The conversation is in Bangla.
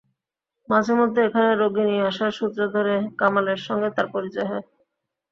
মাঝেমধ্যে এখানে রোগী নিয়ে আসার সূত্র ধরে কামালের সঙ্গে তাঁর পরিচয় হয়।